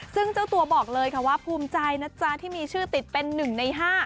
ซึ่งเจ้าตัวบอกเลยค่ะว่าภูมิใจนะจ๊ะที่มีชื่อติดเป็น๑ใน๕